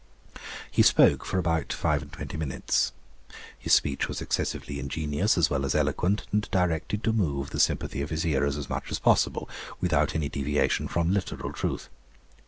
He spoke for about five and twenty minutes. His speech was excessively ingenious, as well as eloquent, and directed to move the sympathy of his hearers as much as possible, without any deviation from literal truth.